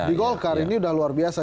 di golkar ini sudah luar biasa